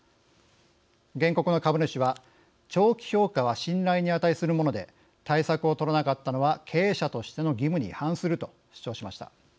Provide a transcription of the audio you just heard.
原告の株主は長期評価は信頼に値するもので対策を取らなかったのは経営者としての義務に違反すると主張しました。